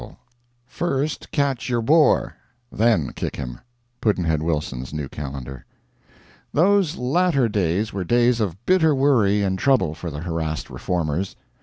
CHAPTER LXVII. First catch your Boer, then kick him. Pudd'nhead Wilson's New Calendar. Those latter days were days of bitter worry and trouble for the harassed Reformers.